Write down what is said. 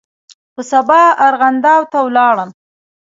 په سبا ارغنداو ته ولاړم.